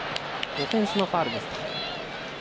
オフェンスのファウルですか。